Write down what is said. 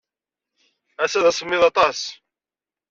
Ass-a, d asemmiḍ aṭas.